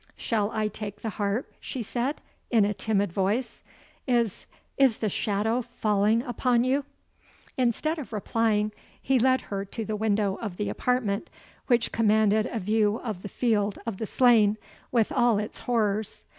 "Shall I take the harp?" she said, in a timid voice; "is is the shadow falling upon you?" Instead of replying, he led her to the window of the apartment, which commanded a view of the field of the slain, with all its horrors.